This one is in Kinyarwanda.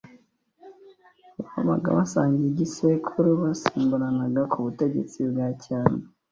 babaga basangiye igisekuru basimburanaga ku butegetsi bwa cyami